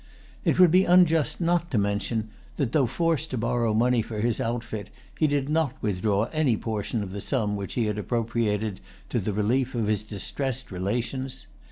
It would be unjust not to mention that, though forced to borrow money for his outfit, he did not withdraw any portion of the sum which he had appropriated to the relief of his distressed relations.